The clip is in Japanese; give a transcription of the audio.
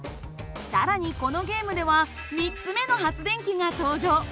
更にこのゲームでは３つ目の発電機が登場。